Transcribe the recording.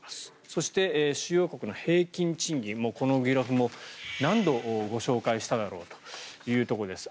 そして、主要国の平均賃金もうこのグラフも何度ご紹介しただろうかというところです。